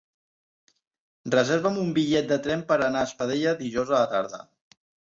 Reserva'm un bitllet de tren per anar a Espadella dijous a la tarda.